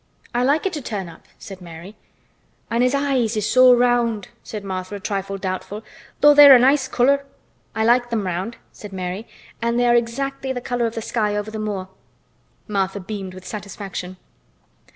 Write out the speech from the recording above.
"I like it to turn up," said Mary. "An' his eyes is so round," said Martha, a trifle doubtful. "Though they're a nice color." "I like them round," said Mary. "And they are exactly the color of the sky over the moor." Martha beamed with satisfaction.